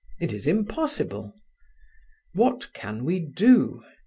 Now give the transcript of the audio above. It is impossible. What can we do?